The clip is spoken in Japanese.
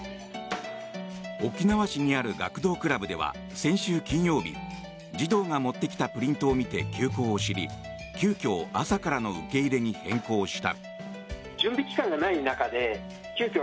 沖縄市にある学童クラブでは先週金曜日児童が持ってきたプリントを見て休校を知り急きょ、朝からの受け入れに変更した。